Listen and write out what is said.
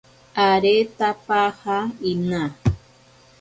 Aretapaja inaa.